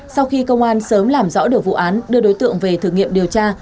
sau khi công an sớm làm rõ được vụ án đưa đối tượng về thử nghiệm điều tra